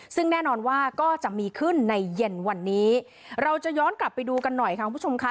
ซึ่งแน่นอนว่าก็จะมีขึ้นในเย็นวันนี้เราจะย้อนกลับไปดูกันหน่อยค่ะคุณผู้ชมค่ะ